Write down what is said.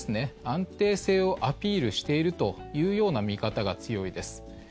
安定性をアピールしているというような見方が強いです。